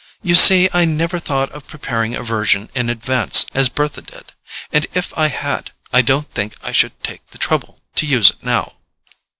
You see I never thought of preparing a version in advance as Bertha did—and if I had, I don't think I should take the trouble to use it now."